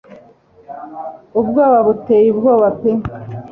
ubwoba buteye ubwoba pe